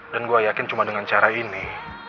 dan gue yakin cuma dengan cara ini